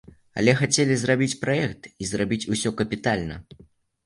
Але хацелі зрабіць праект і зрабіць усё капітальна.